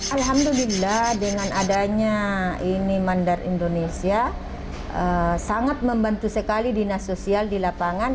alhamdulillah dengan adanya ini mandar indonesia sangat membantu sekali dinas sosial di lapangan